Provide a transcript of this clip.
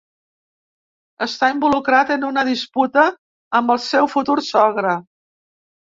Està involucrat en una disputa amb el seu futur sogre.